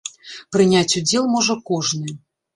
Прыняць удзел можа кожны.